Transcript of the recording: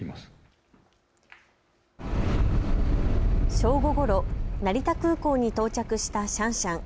正午ごろ、成田空港に到着したシャンシャン。